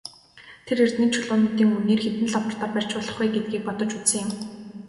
Тэр эрдэнийн чулуунуудын үнээр хэдэн лаборатори барьж болох вэ гэдгийг бодож үзсэн юм.